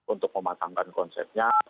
untuk mematangkan konsepnya